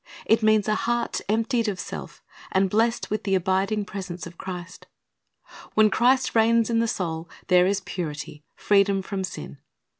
It means a heart emptied of self, and blessed with the abiding presence of Christ. When Christ reigns in the soul, there is purity, freedom from sin.